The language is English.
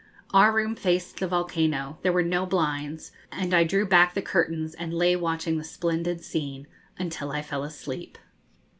Our room faced the volcano: there were no blinds, and I drew back the curtains and lay watching the splendid scene until I fell asleep.